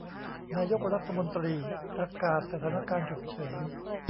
นายกรัฐมนตรีประกาศสถานการณ์ฉุกเฉิน